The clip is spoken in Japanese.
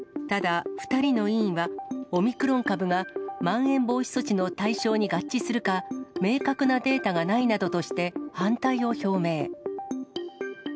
ただ２人の委員は、オミクロン株がまん延防止措置の対象に合致するか、明確なデータがないなどとして、反対を表明。